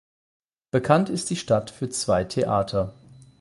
Bekannt ist die Stadt für zwei Theater.